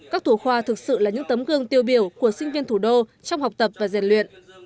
các thủ khoa thực sự là những tấm gương tiêu biểu của sinh viên thủ đô trong học tập và giàn luyện